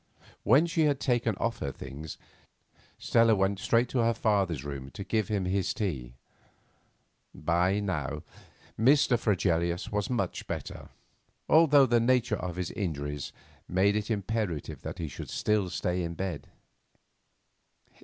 When she had taken off her things Stella went straight to her father's room to give him his tea. By now Mr. Fregelius was much better, although the nature of his injuries made it imperative that he should still stay in bed.